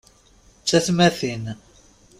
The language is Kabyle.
D tatmatin.